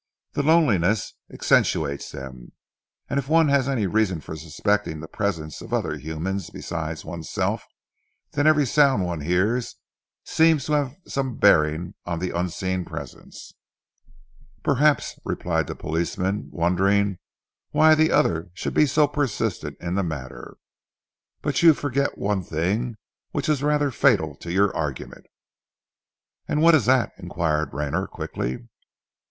The loneliness accentuates them, and if one has any reason for suspecting the presence of other humans besides one's self, then every sound one hears seems to have some bearing on the unseen presences." "Perhaps," replied the policeman, wondering why the other should be so persistent in the matter; "but you forget one thing which is rather fatal to your argument." "And what is that?" inquired Rayner quickly.